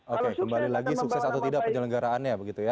oke kembali lagi sukses atau tidak penyelenggaraannya begitu ya